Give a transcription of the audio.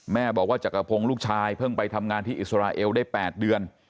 แม่บอกว่าจักรพงศ์ลูกชายเพิ่งไปทำงานที่อิสราเอลได้๘เดือน